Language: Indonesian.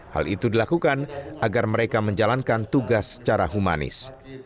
hal itu dilakukan agar mereka menjalankan tugas secara humanis